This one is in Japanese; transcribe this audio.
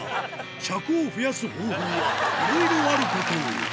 尺を増やす方法はいろいろあることを。